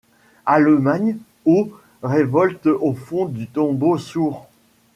Allemagne. Ô révolte au fond du tombeau sourd !